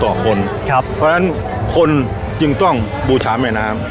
ต่อคนครับเพราะฉะนั้นคนจึงต้องบูชามแม่น้ำ